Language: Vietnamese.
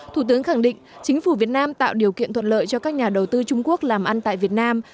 thủ tướng khẳng định chính phủ việt nam tạo điều kiện thuận lợi cho các nhà đầu tư trung quốc làm ăn tại việt nam